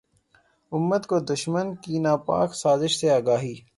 امت کو دشمن کی ناپاک سازشوں سے آگاہی